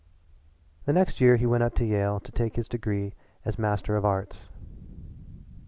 The next year he went up to Yale to take his degree as Master of Arts.